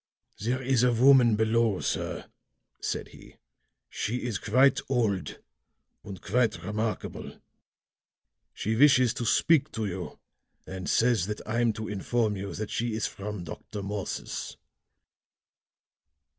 "There is a woman below, sir," said he. "She is quite old and quite remarkable. She wishes to speak to you, and says that I'm to inform you that she is from Dr. Morse's."